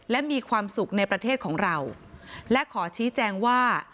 และมีความสุขในประเทศของเราและขอชี้แจงว่า